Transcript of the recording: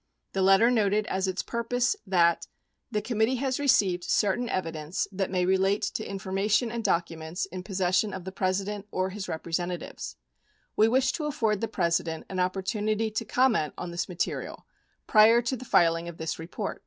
The letter noted as its purpose that : The committee has received certain evidence that may relate to information and documents in possession of the President or his representatives. We wish to afford the President an opportunity to comment on this material prior to the filing of this report.